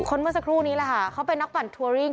เมื่อสักครู่นี้แหละค่ะเขาเป็นนักปั่นทัวริ่ง